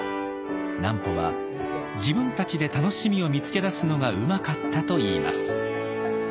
南畝は自分たちで楽しみを見つけ出すのがうまかったといいます。